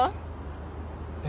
え？